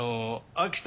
秋田？